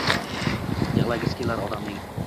Yigʼlagisi kelar odamning.